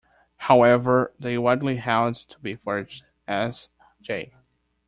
However, they are widely held to be forged, as J.